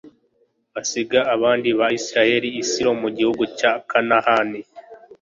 basiga abandi bayisraheli i silo mu gihugu cya kanahani